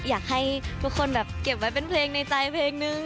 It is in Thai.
อยากให้ทุกคนแบบเก็บไว้เป็นเพลงในใจเพลงนึง